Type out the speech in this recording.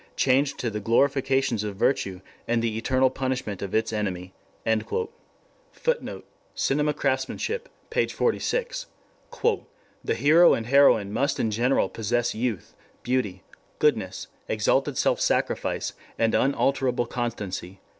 changed to the glorifications of virtue and the eternal punishment of its enemy." [Footnote: Op. cit., p. 46. "The hero and heroine must in general possess youth, beauty, goodness, exalted self sacrifice, and unalterable constancy."